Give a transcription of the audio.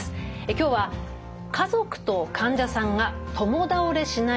今日は家族と患者さんが「共倒れしないために」です。